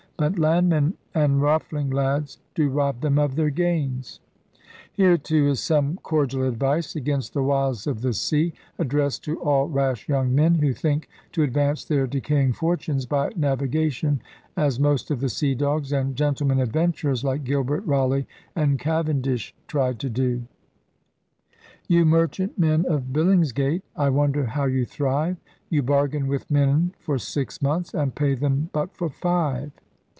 But Land men and ruffling lads Do rob them of their gains. Here, too, is some Cordial Advice against the wiles of the sea, addressed To all rash young Men, who think to Advance their decaying Fortunes by Navigation, as most of the sea dogs (and gentlemen adventurers like Gilbert, Raleigh, and Cavendish) tried to do. LIFE AFLOAT IN TUDOR TIMES 41 You merchant men of Billingsgate, I wonder how you thrive. You bargain with men for six months And pay them but for jfive.